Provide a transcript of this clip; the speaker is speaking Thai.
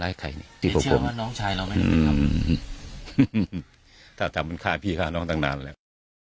ร้ายใครนี่ไม่เชื่อว่าน้องชายเราไม่ได้ทำถ้าจับมันฆ่าพี่ฆ่าน้องตั้งนานแหละ